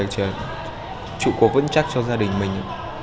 để chịu cố vững chắc cho gia đình mình